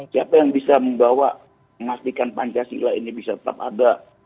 siapa yang bisa membawa memastikan pancasila ini bisa tetap ada